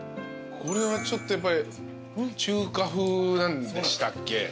これはちょっとやっぱり中華風なんでしたっけ？